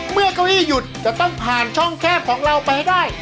เก้าอี้หยุดจะต้องผ่านช่องแคบของเราไปให้ได้